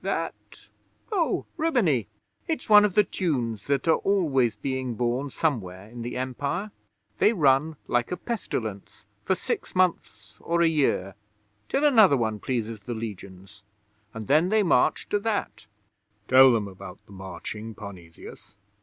'That? Oh, Rimini. It's one of the tunes that are always being born somewhere in the Empire. They run like a pestilence for six months or a year, till another one pleases the Legions, and then they march to that.' 'Tell them about the marching, Parnesius.